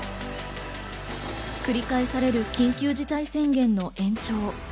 繰り返される緊急事態宣言の延長。